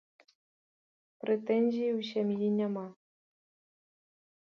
Прэтэнзій у сям'і няма.